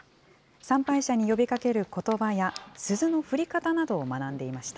参拝者に呼びかけることばや、鈴の振り方などを学んでいました。